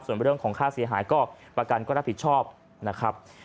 ส่วนเรื่องของค่าเสียหายก็ประกันก็รับผิดชอบนะครับ